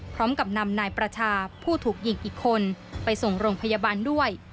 พร้อมกับนำนายประชาผู้ถูกยิงอีกคนไปส่งโรงพยาบาลด้วย